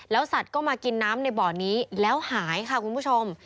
สัตว์ก็มากินน้ำในบ่อนี้แล้วหายค่ะคุณผู้ชม